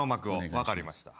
分かりました。